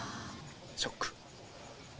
ショック。